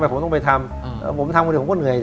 ไม่คุณทำมันก็เหนื่อย